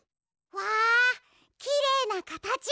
わあきれいなかたち！